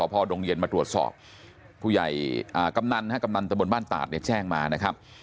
พอดงเย็นมาตรวจสอบผู้ใหญ่กำนันกำนันตะบนบ้านตาดเนี่ยแจ้งมานะครับ